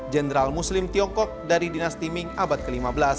jenderal muslim tiongkok dari dinasti ming abad ke lima belas